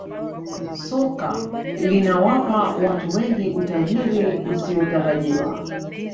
Soka linawapa watu wengi utajiri usiotarajiwa